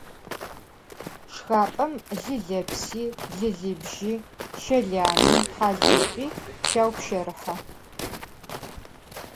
Şşxap'em lılepsi, lılıbji, şelami, halızjüi şaupşerıhe.